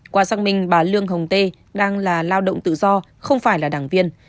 qua xác minh bà lương hồng tê đang là lao động tự do không phải là đảng viên